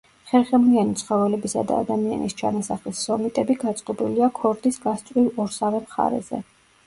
ხერხემლიანი ცხოველებისა და ადამიანის ჩანასახის სომიტები გაწყობილია ქორდის გასწვრივ ორსავე მხარეზე.